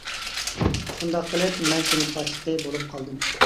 شۇنداق قىلىپ مەن سىنىپ باشلىقى بولۇپ قالدىم.